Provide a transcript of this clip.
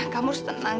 kamu harus tenang